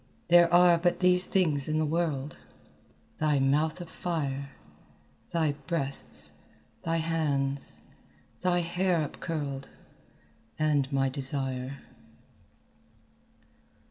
There are but these things in the world Thy mouth of fire, Thy breasts, thy hands, thy hair upcurled And my desire."